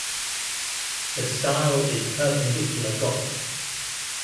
The style is Perpendicular Gothic.